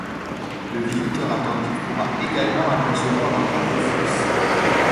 Le visiteur attentif pourra également apercevoir un drapeau suisse.